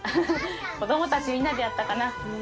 子供たちみんなでやったかな。